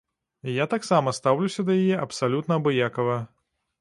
І я таксама стаўлюся да яе абсалютна абыякава.